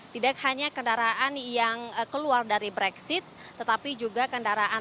tidak hanya kendaraan yang keluar dari brexit tetapi juga kendaraan